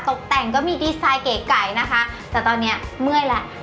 ตกแต่งก็มีดีไซน์เก๋ไก่นะคะแต่ตอนนี้เมื่อยแล้ว